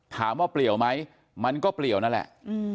เปลี่ยวไหมมันก็เปลี่ยวนั่นแหละ